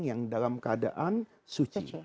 yang dalam keadaan suci